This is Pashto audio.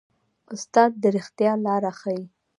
استاد د ریښتیا لاره ښيي.